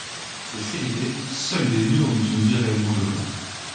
Des félidés, seuls les lions ont une vie réellement de clan.